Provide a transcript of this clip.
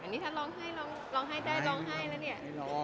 อันนี้ท่านร้องให้ร้องให้ได้ร้องให้แล้วเนี่ย